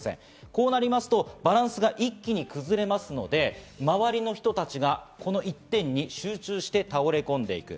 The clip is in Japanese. こうなるとバランスが一気に崩れますので、周りの人たちがこの１点に集中して倒れ込んでいく。